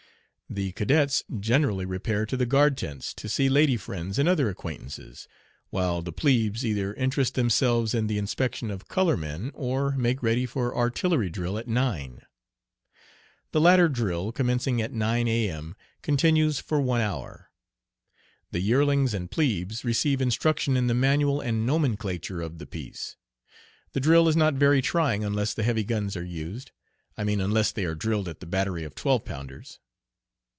The cadets generally repair to the guard tents to see lady friends and other acquaintances, while the plebes either interest themselves in the inspection of "color men," or make ready for artillery drill at nine. The latter drill, commencing at 9 A.M., continues for one hour. The yearlings and plebes receive instruction in the manual and nomenclature of the piece. The drill is not very trying unless the heavy guns are used I mean unless they are drilled at the battery of twelve pounders.